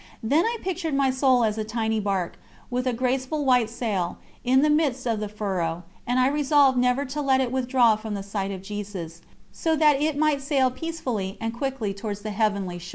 Then I pictured my soul as a tiny barque, with a graceful white sail, in the midst of the furrow, and I resolved never to let it withdraw from the sight of Jesus, so that it might sail peacefully and quickly towards the Heavenly Shore.